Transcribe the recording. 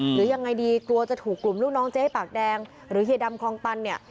หรือยังไงดีกลัวจะถูกกลุ่มลูกน้องเจ๊ปากแดงหรือเฮียดำคลองตันเนี่ย